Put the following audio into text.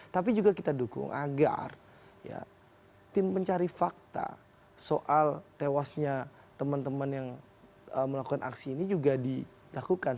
tapi juga kita dukung agar tim pencari fakta soal tewasnya teman teman yang melakukan aksi ini juga dilakukan